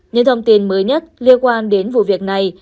những thông tin mới nhất liên quan đến vụ việc này